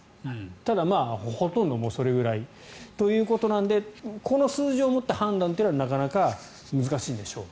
ただ、ほとんどそれぐらいということなのでこの数字をもって判断はなかなか難しいんでしょう。